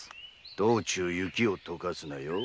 道中雪を解かすなよ。